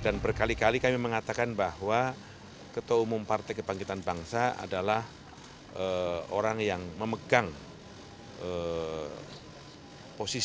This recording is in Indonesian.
dan berkali kali kami mengatakan bahwa ketua umum partai kebangkitan bangsa adalah orang yang memegang posisi paling utama untuk mendampingi calon wakil presiden di pak prabowo subianto